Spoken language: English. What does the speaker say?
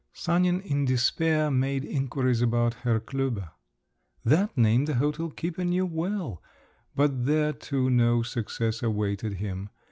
Sanin in despair made inquiries about Herr Klüber. That name the hotel keeper knew well, but there too no success awaited him.